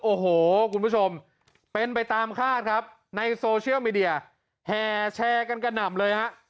โอ้โหคุณผู้ชมเป็นไปตามคาดครับในโซเชียลมีเดียแห่แชร์กันกระหน่ำเลยฮะ